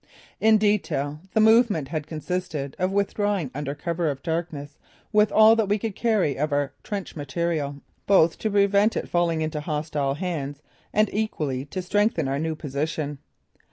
In detail, the movement had consisted of withdrawing under cover of darkness with all that we could carry of our trench material, both to prevent it falling into hostile hands and equally to strengthen our new position.